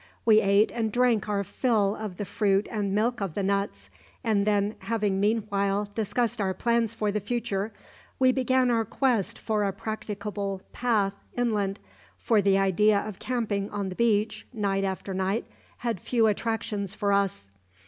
We ate and drank our fill of the fruit and milk of the nuts, and then, having meanwhile discussed our plans for the future, we began our quest for a practicable path inland, for the idea of camping on the beach, night after night, had few attractions for us.